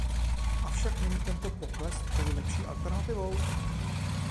Avšak není tento pokles tou lepší alternativou?